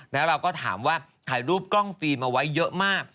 แล้วเราก็ถามว่าถ่ายรูปกล้องฟิล์มเอาไว้เยอะมาก